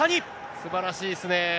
すばらしいですね。